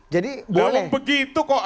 jadi boleh kalau begitu kok